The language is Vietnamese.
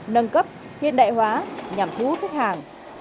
nâng cấp hiện đại hóa nhằm thu hút khách hàng